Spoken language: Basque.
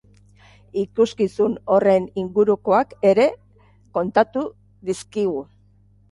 Ikuskizun horren ingurukoak ere kontatu dizkigu.